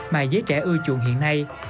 mà giới trẻ ưa chuồn hiện nay